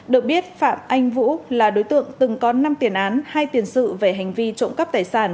được biết phạm anh vũ là đối tượng từng có năm tiền án hai tiền sự về hành vi trộm cắp tài sản